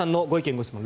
・ご質問